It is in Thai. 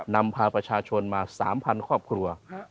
นำพาประชาชนมา๓๐๐ครอบครัว